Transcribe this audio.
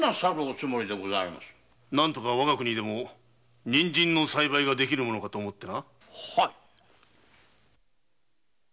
何とかわが国でも人参の栽培ができぬものかと思ってな。